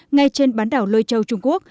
ngay trên bán đảo lôi châu trung quốc